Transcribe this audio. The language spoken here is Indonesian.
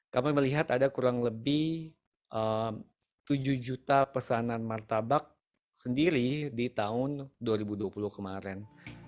kami melihat ada kurang lebih tujuh juta pesanan martabak sendiri di tahun dua ribu dua puluh kemarin